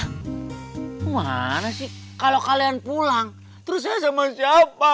kemana sih kalau kalian pulang terus saya sama siapa